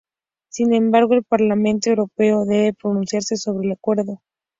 Sin embargo el Parlamento Europeo debe pronunciarse sobre el acuerdo.